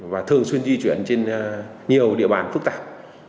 và thường xuyên di chuyển trên nhiều địa bàn phức tạp